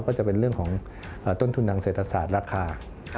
ก็จะเป็นเรื่องของต้นทุนทางเศรษฐศาสตร์ราคา